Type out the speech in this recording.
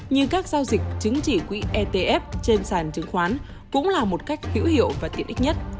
như các giao dịch chứng chỉ quỹ etf trên sàn chứng khoán cũng là một cách hữu hiệu và tiện ích nhất